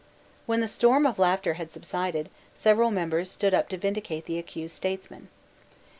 When the storm of laughter had subsided, several members stood up to vindicate the accused statesmen.